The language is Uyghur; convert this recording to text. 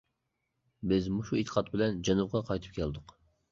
بىز مۇشۇ ئېتىقاد بىلەن جەنۇبقا قايتىپ كەلدۇق.